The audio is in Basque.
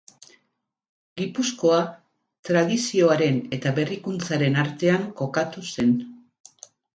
Gipuzkoa tradizioaren eta berrikuntzaren artean kokatu zen.